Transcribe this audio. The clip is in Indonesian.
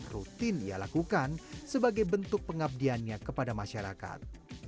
rutin ia lakukan sebagai bentuk pengabdiannya kepada masyarakat